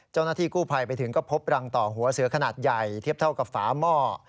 เจ้าหน้าที่กู้ภัยไปถึงก็พบรังต่อหัวเสือขนาดใหญ่เทียบเท่ากับฝาหม้อ